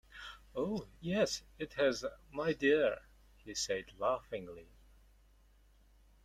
"Oh, yes, it has, my dear," he said laughingly.